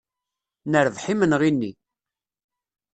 Nerbeḥ imenɣi-nni.